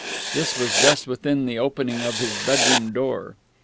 This was just within the opening of his bedroom door.